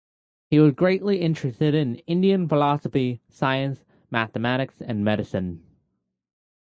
He was greatly interested in Indian philosophy, science, mathematics, and medicine.